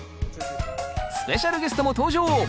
スペシャルゲストも登場！